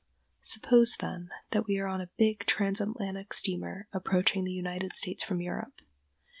Suppose, then, that we are on a big transatlantic steamer approaching the United States from Europe....